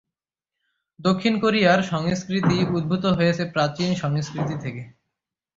দক্ষিণ কোরিয়ার সংস্কৃতি উদ্ভূত হয়েছে প্রাচীন সংস্কৃতি থেকে।